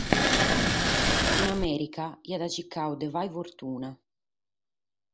In Amèrica aiat chircadu de fàghere fortuna.